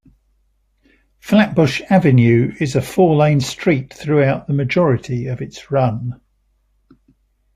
Flatbush Avenue is a four-lane street throughout the majority of its run.